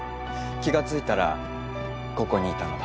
気が付いたらここにいたのだ。